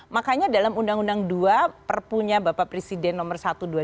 makanya dalam undang undang dua perpunya bapak presiden nomor satu dua ribu dua